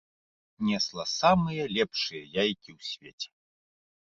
Несла самыя лепшыя яйкі ў свеце.